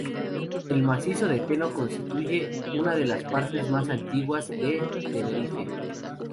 El macizo de Teno constituye una de las partes más antiguas de Tenerife.